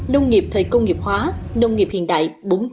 nông nghiệp thời công nghiệp hóa nông nghiệp hiện đại bốn